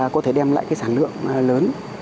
có thể đem lại sản lượng lớn